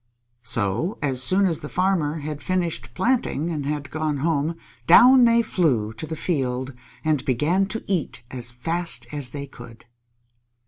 So, as soon as the Farmer had finished planting and had gone home, down they flew to the field, and began to eat as fast as they could.